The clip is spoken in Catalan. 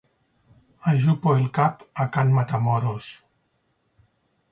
Ajupo el cap a can Matamoros.